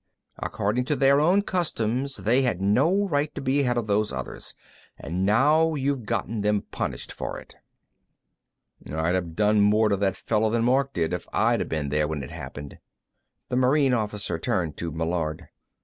"According to their own customs, they had no right to be ahead of those others, and now you've gotten them punished for it." "I'd have done more to that fellow then Mark did, if I'd been there when it happened." The Marine officer turned to Meillard.